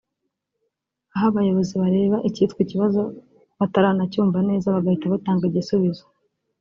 aho abayobozi bareba ikitwa ikibazo bataranacyumva neza bagahita batanga igisubizo